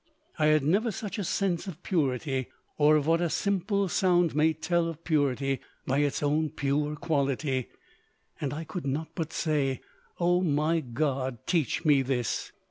I had never such a sense of purity, or of what a simple sound may tell of purity by its own pure quality; and I could not but say, O my God, teach me this!